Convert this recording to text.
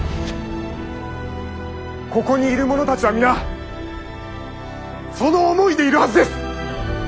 ここにいる者たちは皆その思いでいるはずです！